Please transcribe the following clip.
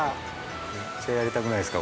めっちゃやりたくないですか？